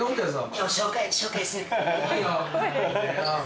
今日紹介するから。